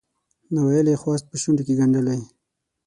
ناویلی خواست په شونډوکې ګنډلی